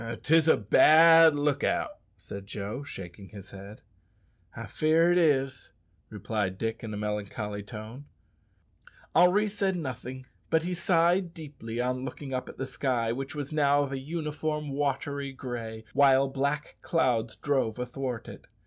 "'Tis a bad look out," said Joe, shaking his head. "I fear it is," replied Dick in a melancholy tone. Henri said nothing, but he sighed deeply on looking up at the sky, which was now of a uniform watery gray, while black clouds drove athwart it.